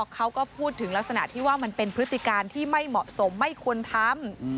เขาก็พูดถึงลักษณะที่ว่ามันเป็นพฤติการที่ไม่เหมาะสมไม่ควรทำ